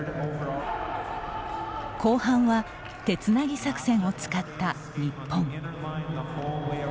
後半は手つなぎ作戦を使った日本。